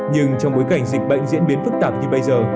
nhưng trong bối cảnh dịch bệnh diễn biến phức tạp như bây giờ